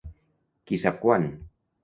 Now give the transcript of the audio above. Qui sap quan.